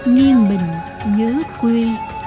nghiêng mình nhớ quê